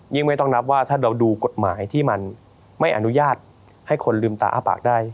ไม่ต้องนับว่าถ้าเราดูกฎหมายที่มันไม่อนุญาตให้คนลืมตาอ้าปากได้